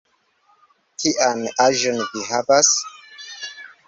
Kian aĝon vi havas?